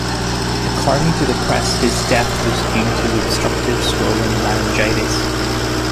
According to the press his death was due to obstructive swollen laryngitis.